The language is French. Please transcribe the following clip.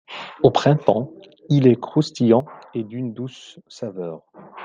Au printemps, il est croustillant et d'une douce saveur.